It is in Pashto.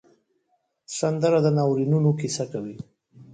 سندره د ناورینونو کیسه کوي